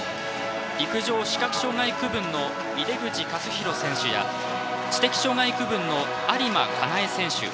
陸上・視覚障害区分の井手口勝博選手や知的障害区分の有馬佳苗選手